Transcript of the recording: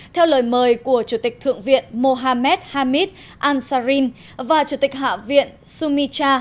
theo lời mời của chủ tịch thượng viện mohammed hamid ansarin và chủ tịch hạ viện sumitra